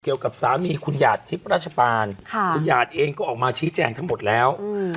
กับสามีคุณหยาดทิพย์ราชปานคุณหยาดเองก็ออกมาชี้แจงทั้งหมดแล้ว